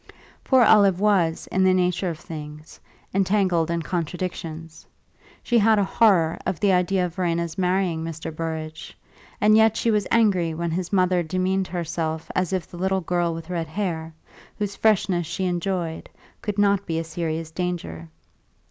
Poor Olive was, in the nature of things, entangled in contradictions; she had a horror of the idea of Verena's marrying Mr. Burrage, and yet she was angry when his mother demeaned herself as if the little girl with red hair, whose freshness she enjoyed, could not be a serious danger.